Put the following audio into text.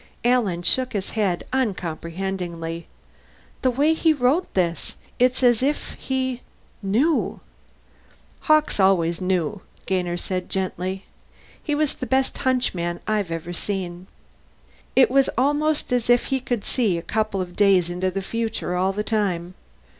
Alan shook his head uncomprehendingly. "The way he wrote this it's as if he knew." "Max Hawkes always knew," Gainer said gently. "He was the best hunch man I've ever seen. It was almost as if he could look a couple of days into the future all the time.